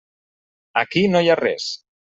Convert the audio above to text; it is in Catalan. Aquí no hi ha res.